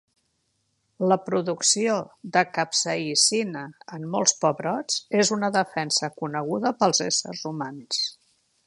La producció de capsaïcina en molts pebrots és una defensa coneguda pels éssers humans.